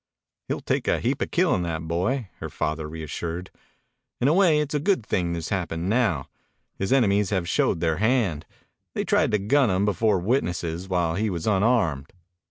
"He'll take a heap o' killin', that boy," her father reassured. "In a way it's a good thing this happened now. His enemies have showed their hand. They tried to gun him, before witnesses, while he was unarmed.